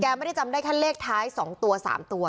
แกไม่ได้จำได้แค่เลขท้ายสองตัวสามตัว